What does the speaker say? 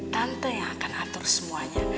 tante yang akan atur semuanya